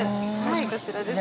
こちらですね。